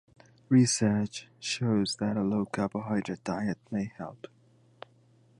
Research shows that a low-carbohydrate diet may help.